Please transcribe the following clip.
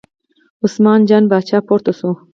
عثمان جان پاچا پورته شو.